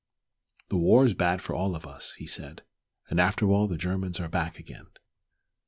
"The war is bad for all of us," he said, "and after all the Germans are back again." ...